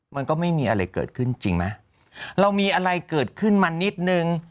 มันก็ไม่มีอะไรเกิดขึ้นจริงไหมเรามีอะไรเกิดขึ้นมานิดนึง